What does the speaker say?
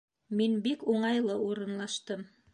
Мин бик уңайлы урынлаштым